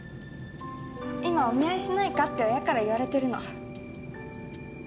今「お見合いしないか」って親から言われてるの。